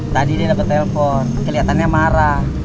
tadi dia dapet telpon kelihatannya marah